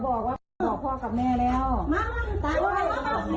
ดัดไปเลยไปหาเงินมาใส่น้ำจ้างนี้